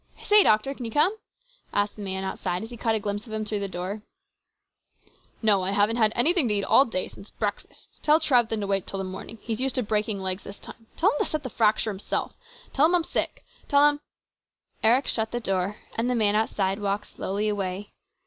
" Say, doctor, can you come ?" asked the man outside as he caught a glimpse of him through the opening. " No ; I haven't had anything to eat all day since breakfast. Tell Trethven to wait until the morning. He's used to breaking his legs by this time. Tell him to set the fracture himself. Tell him I'm sick. Tell him " Eric shut the door, and the man outside walked slowly away.